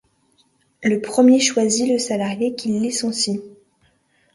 Le premier choisit le salarié qu’il licencie.